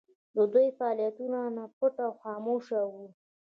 د دوی فعالیتونه پټ او خاموشه وو.